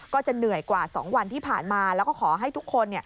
ก็จะเหนื่อยกว่า๒วันที่ผ่านมาแล้วก็ขอให้ทุกคน